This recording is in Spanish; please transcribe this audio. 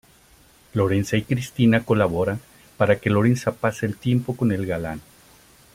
Lorenza y Cristina colaboran para que Lorenza pase el tiempo con el galán.